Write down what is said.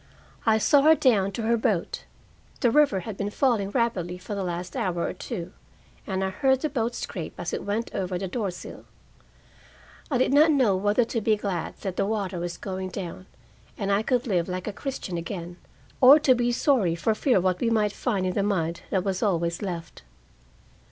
I saw her down to her boat. The river had been falling rapidly for the last hour or two, and I heard the boat scrape as it went over the door sill. I did not know whether to be glad that the water was going down and I could live like a Christian again, or to be sorry, for fear of what we might find in the mud that was always left.